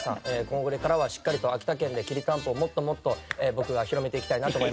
これからはしっかりと秋田県できりたんぽをもっともっと僕が広めていきたいなと思います。